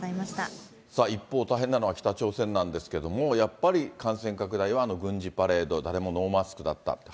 一方、大変なのは北朝鮮なんですけども、やっぱり感染拡大は軍事パレード、誰もノーマスクだったと。